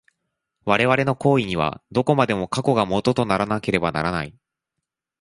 我々の行為には、どこまでも過去が基とならなければならない。